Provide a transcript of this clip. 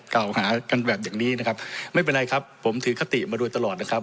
กล่าวหากันแบบอย่างนี้นะครับไม่เป็นไรครับผมถือคติมาโดยตลอดนะครับ